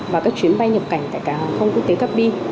và các chuyến bay nhập cảnh tại cảng không quốc tế cáp bi